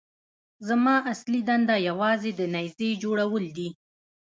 زما اصلي دنده یوازې د نيزې جوړول دي.